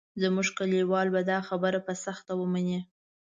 زموږ کلیوال به دا خبره په سخته ومني.